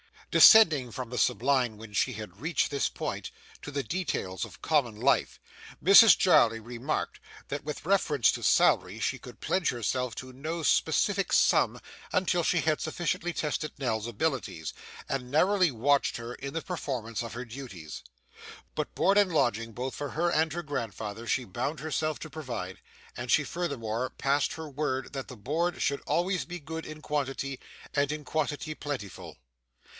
Descending from the sublime when she had reached this point, to the details of common life, Mrs Jarley remarked that with reference to salary she could pledge herself to no specific sum until she had sufficiently tested Nell's abilities, and narrowly watched her in the performance of her duties. But board and lodging, both for her and her grandfather, she bound herself to provide, and she furthermore passed her word that the board should always be good in quality, and in quantity plentiful.